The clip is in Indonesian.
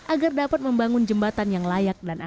agar dapat membangun jembatan yang layak dan aman